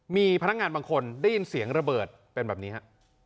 มีพนักงานบางคนได้ยินเสียงระเบิดเป็นแบบนี้ฮะ